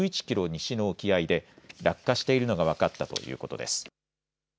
西の沖合で落下しているのが分かったということです。